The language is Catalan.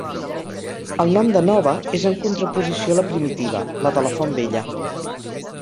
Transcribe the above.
El nom de Nova és en contraposició a la primitiva, la de la Font Vella.